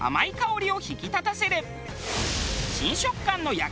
新食感の焼き氷！